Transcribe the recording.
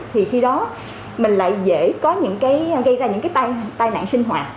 thì khi đó mình lại dễ gây ra những cái tai nạn sinh hoạt